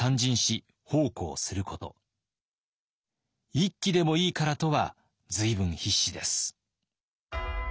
一騎でもいいからとは随分必死です。